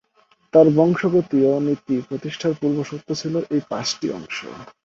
তার বংশগতীয় নীতি প্রতিষ্ঠার পূর্বশর্ত ছিলো এই পাঁচটি অংশ।